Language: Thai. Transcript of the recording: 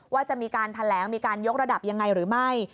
ว่าจะมีการแถลงมีการยกระดับยังไงหรือไม่